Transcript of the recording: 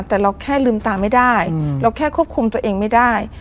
แต่เราแค่ลืมตาไม่ได้เราแค่ควบคุมตัวเองไม่ได้